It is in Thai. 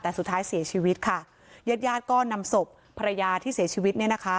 แต่สุดท้ายเสียชีวิตค่ะญาติญาติก็นำศพภรรยาที่เสียชีวิตเนี่ยนะคะ